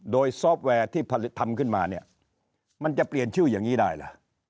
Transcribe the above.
โดยซอฟต์แวร์ที่ผลิตทำขึ้นมาเนี่ยมันจะเปลี่ยนชื่ออย่างนี้ได้ล่ะ